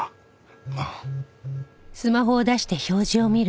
ああ。